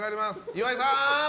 岩井さん！